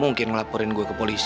ah ya ampun ya ampun